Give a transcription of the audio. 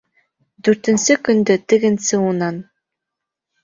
Дүртенсе көндө тегенсе унан: